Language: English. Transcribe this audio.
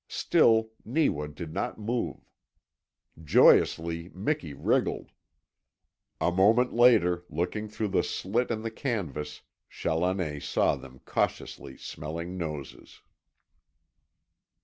Still Neewa did not move. Joyously Miki wriggled. A moment later, looking through the slit in the canvas, Challoner saw them cautiously smelling noses.